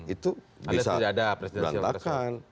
itu bisa berantakan